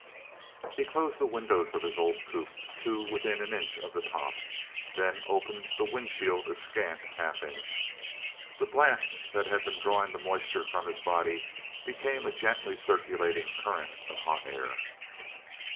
He closed the windows of his old coupe to within an inch of the top, then opened the windshield a scant half inch. The blast that had been drawing the moisture from his body became a gently circulating current of hot air.